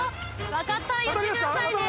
分かったら言ってくださいね。